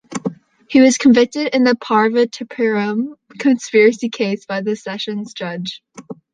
He was convicted in the Parvatipuram Conspiracy Case, by the Sessions Judge.